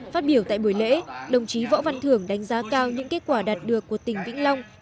phát biểu tại buổi lễ đồng chí võ văn thưởng đánh giá cao những kết quả đạt được của tỉnh vĩnh long